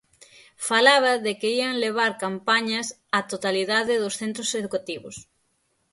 Falaba de que ían levar campañas á totalidade dos centros educativos.